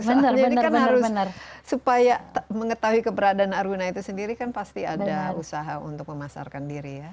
jadi kan harus supaya mengetahui keberadaan aruna itu sendiri kan pasti ada usaha untuk memasarkan diri ya